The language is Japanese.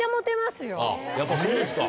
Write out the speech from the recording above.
やっぱそうですか。